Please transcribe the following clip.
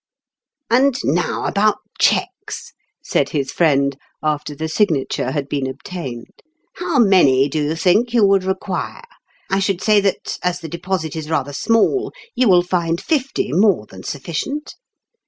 " And now, about cheques," said his friend, after the signature had been obtained. " How many, do you think you would require? I should say that, as the deposit is rather small, you will find fifty more than sufficient